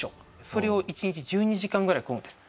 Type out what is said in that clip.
それを１日１２時間ぐらいこぐんです。